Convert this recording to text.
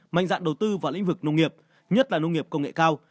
mạnh dạng đầu tư vào lĩnh vực nông nghiệp nhất là nông nghiệp công nghệ cao